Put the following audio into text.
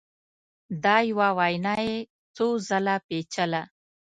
دا یوه وینا یې څو ځله پېچله